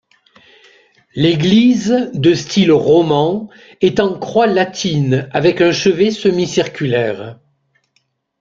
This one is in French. L'église, de style roman, est en croix latine avec un chevet semi-circulaire.